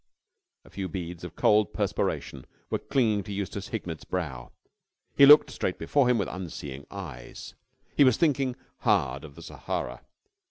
A few beads of cold perspiration were clinging to Eustace Hignett's brow. He looked straight before him with unseeing eyes. He was thinking hard of the Sahara.